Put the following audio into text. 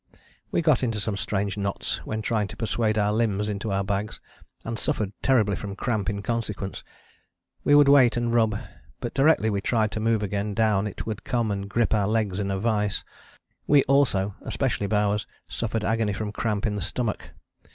We got into some strange knots when trying to persuade our limbs into our bags, and suffered terribly from cramp in consequence. We would wait and rub, but directly we tried to move again down it would come and grip our legs in a vice. We also, especially Bowers, suffered agony from cramp in the stomach.